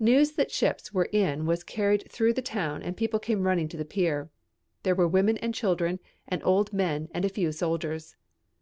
News that ships were in was carried through the town and people came running to the pier. There were women and children and old men and a few soldiers.